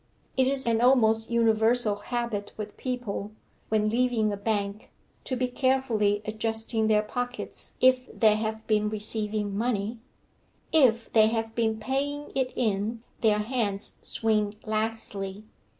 It is an almost universal habit with people, when leaving a bank, to be carefully adjusting their pockets if they have been receiving money; if they have been paying it in, their hands swing laxly.